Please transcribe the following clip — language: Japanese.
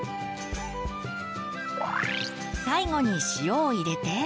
最後に塩を入れて。